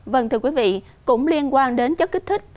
vâng thưa quý vị cũng liên quan đến chất kích thích